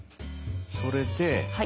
それで。